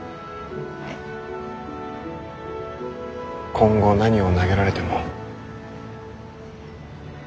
今後何を投げられても。